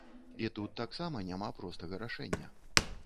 І тут таксама няма простага рашэння!